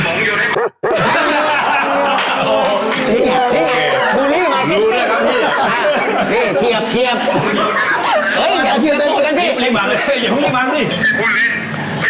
ก็คือคือก่อนเนี่ย